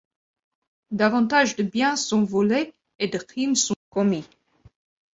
Davantage de biens sont volés et de crimes sont commis.